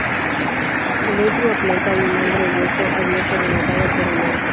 En la última planta hay un gran hueco abierto rematado por un arco.